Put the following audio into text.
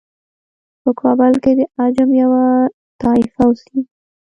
په کابل کې د عجم یوه طایفه اوسیږي.